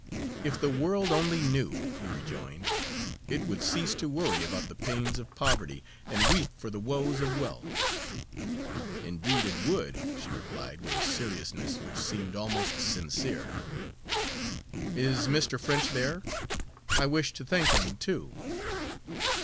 "If the world only knew," he rejoined, "it would cease to worry about the pains of poverty, and weep for the woes of wealth." "Indeed it would!" she replied, with a seriousness which seemed almost sincere. "Is Mr. French there? I wish to thank him, too."